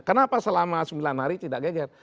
kenapa selama sembilan hari tidak geger